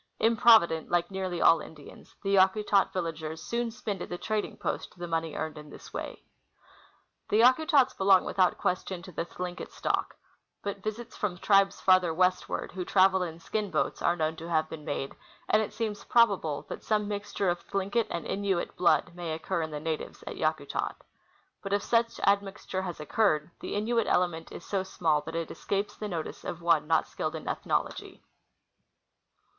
Improvident, like nearly all Indians, the Yakutat villagers soon spend at the trading post the money earned in this way. The Yakutats belong without question to the Thlinket stock ; Ijut visits from tribes farther westward, who travel in skin boats, are known to have been made, and it seems probable that some mixture of Thlinket and Innuit blood may occur in the natives at Yakutat. But if such admixture has occurred, the Innuit ele ment is so small that it escapes the notice of one not skilled in ethnology.